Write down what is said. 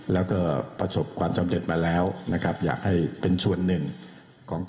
แล้วก็ประชบความสำเร็จมาแล้วอยากให้เป็นชวนหนึ่ง